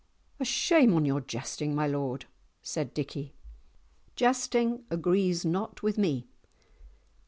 "A shame on your jesting, my lord!" said Dickie, "jesting agrees not with me.